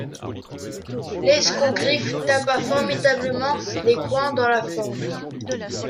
L'escogriffe tapa formidablement les coins dans la forme.